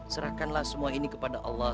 serahkanlah semua ini kepada allah